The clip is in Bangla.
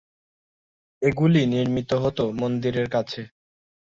এগুলি নির্মিত হত মন্দিরের কাছে।